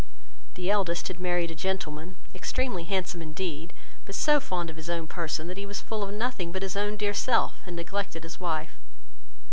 The eldest had married a gentleman, extremely handsome indeed, but so fond of his own person, that he was full of nothing but his own dear self, and neglected his wife.